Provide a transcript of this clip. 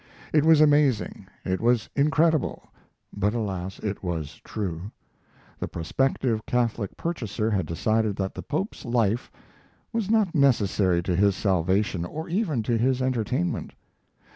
It was amazing, it was incredible, but, alas! it was true. The prospective Catholic purchaser had decided that the Pope's Life was not necessary to his salvation or even to his entertainment.